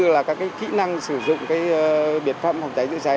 và cái kỹ năng sử dụng cái biệt phẩm phòng cháy chữa cháy